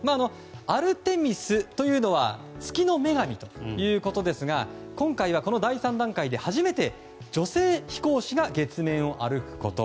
アルテミスというのは月の女神ということですが今回は第３段階で初めて女性飛行士が月面を歩くこと。